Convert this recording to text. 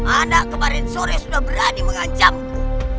anak kemarin sore sudah berani mengancammu